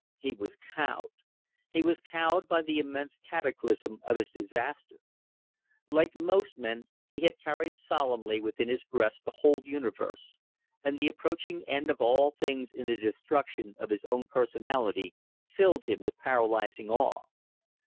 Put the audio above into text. He was cowed. He was cowed by the immense cataclysm of his disaster. Like most men, he had carried solemnly within his breast the whole universe, and the approaching end of all things in the destruction of his own personality filled him with paralyzing awe.